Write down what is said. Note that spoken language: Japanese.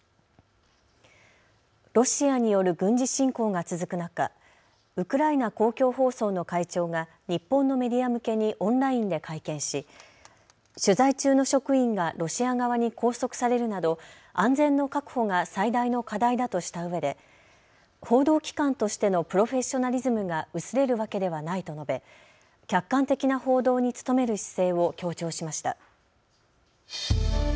ロシアによる軍事侵攻が続く中、ウクライナ公共放送の会長が日本のメディア向けにオンラインで会見し取材中の職員がロシア側に拘束されるなど安全の確保が最大の課題だとしたうえで報道機関としてのプロフェッショナリズムが薄れるわけではないと述べ客観的な報道に努める姿勢を強調しました。